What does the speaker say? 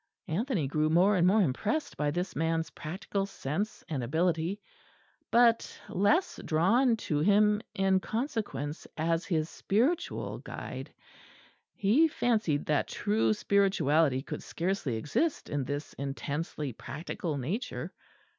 Anthony grew more and more impressed by this man's practical sense and ability; but less drawn to him in consequence as his spiritual guide. He fancied that true spirituality could scarcely exist in this intensely practical nature.